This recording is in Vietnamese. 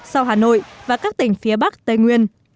sau hà nội và các tỉnh phía bắc tây nguyên